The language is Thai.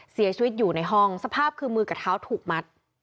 เสียชีวิตอยู่ในห้องสภาพคือมือกับเท้าถูกมัด